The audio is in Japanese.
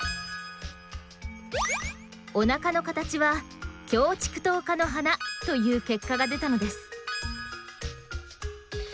おなかの形はキョウチクトウ科の花という結果が出たのです。